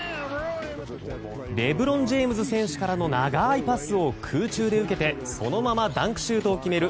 レブロン・ジェームズ選手からの長いパスを空中で受けてそのままダンクシュートを決める